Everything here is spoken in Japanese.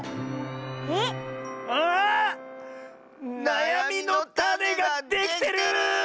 なやみのタネができてる！